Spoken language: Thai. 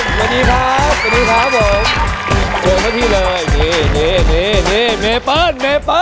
สวัสดีครับสวัสดีครับผมโจมตะทีเลยนี่นี่นี่เมเปบ